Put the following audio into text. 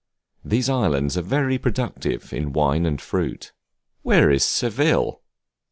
These islands are very productive in wine and fruits. Where is Seville?